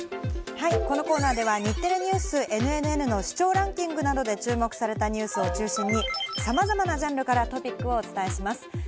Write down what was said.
このコーナーでは「日テレＮＥＷＳＮＮＮ」の視聴ランキングなどで注目されたニュースを中心にさまざまなジャンルからトピックをお伝えします。